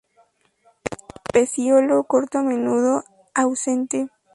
Pecíolo corto a menudo ausente.